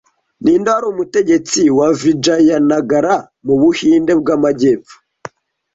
ninde wari umutegetsi wa Vijayanagar mu Buhinde bw'Amajyepfo